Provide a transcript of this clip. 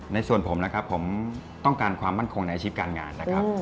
ในส่วนผมนะครับผมต้องการความมั่นคงในอาชีพการงานนะครับ